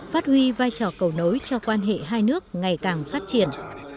phát huy vai trò cầu nối cho quan hệ hai nước ngày càng phát triển